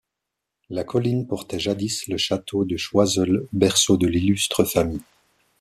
La colline portait jadis le château de Choiseul, berceau de l'illustre famille.